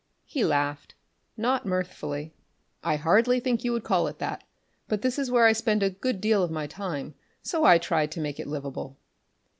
He laughed, not mirthfully. "I hardly think you could call it that, but this is where I spend a good deal of my time, so I tried to make it livable."